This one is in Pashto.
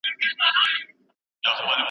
پوليسو هغه مهال د خلګو د وقار ساتنه کوله.